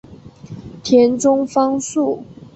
田中芳树。